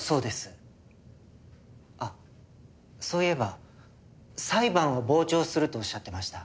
あっそういえば裁判を傍聴すると仰ってました。